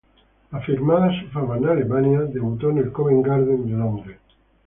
Afirmada su fama en Alemania debutó en el Covent Garden de Londres.